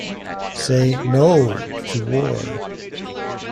Say No To War!